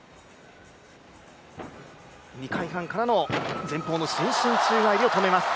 ２回半からの前方伸身宙返りを止めます。